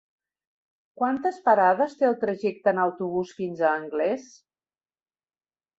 Quantes parades té el trajecte en autobús fins a Anglès?